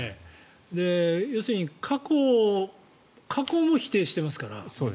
要するに過去も否定していますから。